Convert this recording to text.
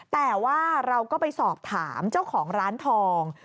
แต่ว่าเราก็ไปสอบถามเจ้าของร้านทอง